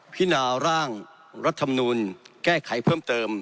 พินาร่างรัฐธรรมนูลแก้ไขเพิ่มเติม